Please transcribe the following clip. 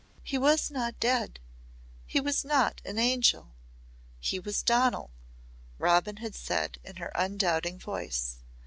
"He was not dead. He was not an angel. He was Donal," Robin had said in her undoubting voice.